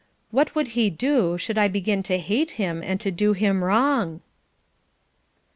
What would he do, should I begin to hate him and to do him wrong? 41.